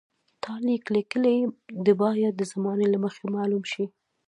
تا لیک لیکلی دی باید د زمانې له مخې معلوم شي.